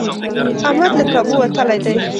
احمد له کابو وتلی دی.